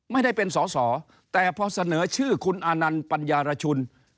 ไม่ได้เป็นสอสอแต่พอเสนอชื่อคุณอานันต์ปัญญารชุน